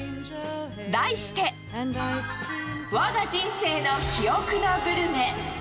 題して、わが人生の記憶のグルメ。